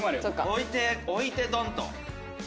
置いて置いてドンと。